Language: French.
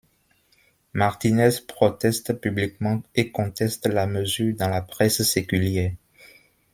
Martínez proteste publiquement et conteste la mesure dans la presse séculière.